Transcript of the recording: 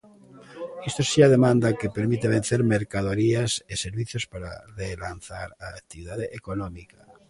Isto xera demanda que permite vender mercadorías e servizos para relanzar a actividade económica.